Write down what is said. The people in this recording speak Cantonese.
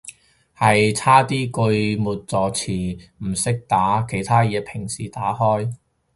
係差啲句末助詞唔識打，其他嘢平時打開